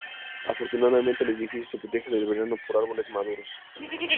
Afortunadamente, el edificio se protege del verano por árboles maduros.